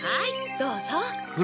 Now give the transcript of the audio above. どうぞ。